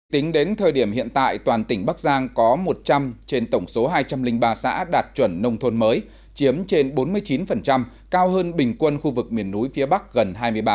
tính đến thời điểm hiện tại toàn tỉnh bắc giang có một trăm linh trên tổng số hai trăm linh ba xã đạt chuẩn nông thôn mới chiếm trên bốn mươi chín cao hơn bình quân khu vực miền núi phía bắc gần hai mươi ba